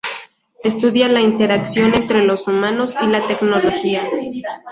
Estudia la interacción entre los humanos y la tecnología.